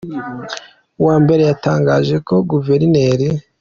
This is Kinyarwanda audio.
wa Mbere yatangaje ko Guverineri.